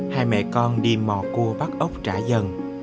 hai mẹ con đi mò cua vắt ốc trả dần